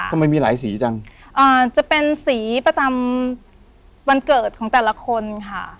ทำไมมีหลายสีจังอ่าจะเป็นสีประจำวันเกิดของแต่ละคนค่ะ